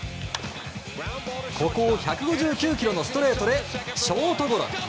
ここを１５９キロのストレートでショートゴロ。